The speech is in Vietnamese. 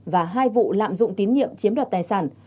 và hai vụ lạm dụng tín nhiệm chiếm đoạt tài sản